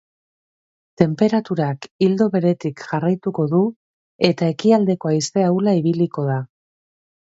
Tenperaturak ildo beretik jarraituko du eta ekialdeko haize ahula ibiliko da.